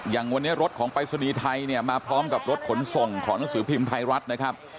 อย่างวันนี้รถของปรายศนีย์ไทยเนี่ยมาพร้อมกับรถขนส่งของหนังสือพิมพ์ไทยรัฐนะครับ